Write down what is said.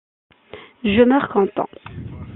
Je meurs content.